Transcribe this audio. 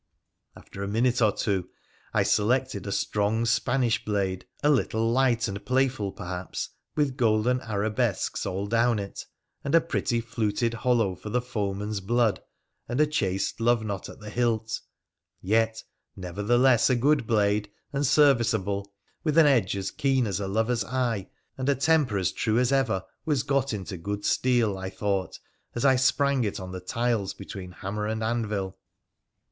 After a minute or two I selected a strong Spanish blade, a little light and playful, perhaps, with golden arabesques all down it, and a pretty fluted hollow for the foeman's blood, and a chased love knot at the hilt ; yet, nevertheless, a good blade, and fJIRA THE PIIOLNICIAX 271 serviceable, with an edge as keen as a lover's eye, and a temper as true as ever was got into good steel, I thought, as I sprang it on the tiles, between hammer and anvil.